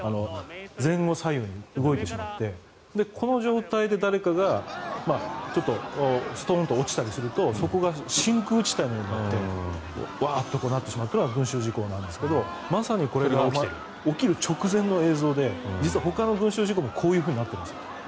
前後左右に動いてしまってこの状態で誰かがちょっとストンと落ちたりするとそこが真空地帯のようになってワーッとなってしまうというのが群衆事故なんですがまさに起きる直前の映像で実はほかの群衆事故もこうなっているんです。